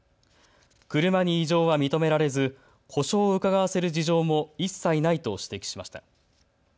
車に異常は認められず故障をうかがわせる事情も一切ないと指摘しました。